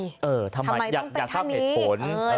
ยังคาปเหตุผล